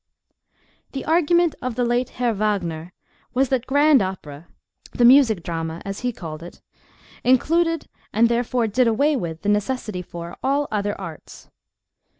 THE argument of the late Herr Wagner was that grand opera—the music drama, as he called it—included, and therefore did away with the necessity for—all other arts.